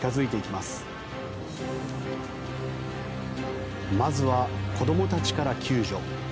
まずは子どもたちから救助。